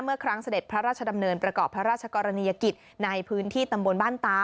เมื่อครั้งเสด็จพระราชดำเนินประกอบพระราชกรณียกิจในพื้นที่ตำบลบ้านตา